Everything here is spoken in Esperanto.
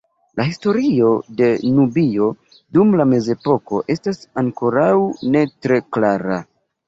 La historio de Nubio dum la mezepoko estas ankoraŭ ne tre klara.